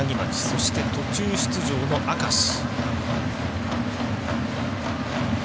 そして、途中出場の明石。